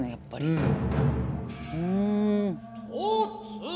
うん。